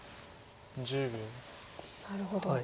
なるほど。